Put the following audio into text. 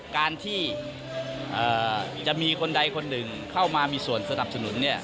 การที่จะมีคนใดคนหนึ่งเข้ามามีส่วนสนับสนุน